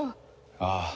ああ。